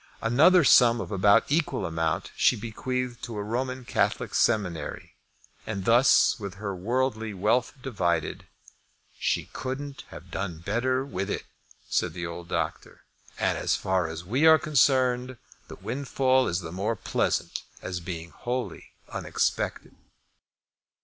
Another sum of about equal amount she bequeathed to a Roman Catholic seminary; and thus was her worldly wealth divided. "She couldn't have done better with it," said the old doctor; "and as far as we are concerned, the windfall is the more pleasant as being wholly unexpected."